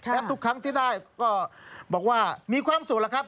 และทุกครั้งที่ได้ก็บอกว่ามีความสุขแล้วครับ